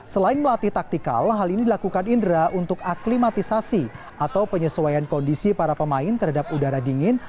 selain melatih taktikal hal ini dilakukan indra untuk aklimatisasi atau penyesuaian kondisi para pemain terhadap udara dingin